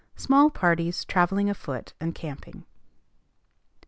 SMALL PARTIES TRAVELLING AFOOT AND CAMPING.